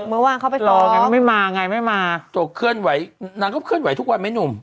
เมื่อวานเขาไปต่อไงว่าไม่มาไงไม่มาตกเคลื่อนไหวนางก็เคลื่อนไหวทุกวันไหมหนุ่ม